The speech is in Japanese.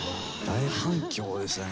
大反響でしたね。